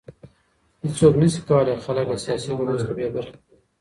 هيڅوک نشي کولای خلګ له سياسي ګډون څخه بې برخي کړي.